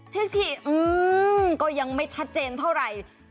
เทคทีก็ยังไม่ชัดเจนเท่าไหร่